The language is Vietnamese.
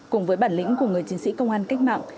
cùng với bản lĩnh của người chiến sĩ công an cách mạng